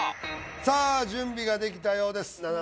さあ準備ができたようですなな